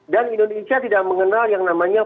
dan indonesia tidak mengenal yang namanya